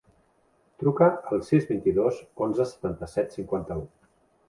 Truca al sis, vint-i-dos, onze, setanta-set, cinquanta-u.